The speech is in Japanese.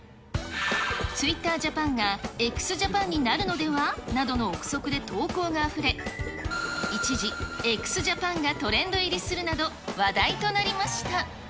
ツイッタージャパンがＸＪＡＰＡＮになるのではとの臆測で投稿があふれ、一時ＸＪＡＰＡＮがトレンド入りするなど話題となりました。